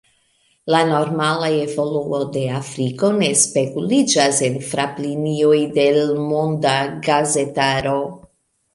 La normala evoluo de Afriko ne speguliĝas en fraplinioj de l’ monda gazetaro.